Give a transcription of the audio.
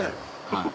はい。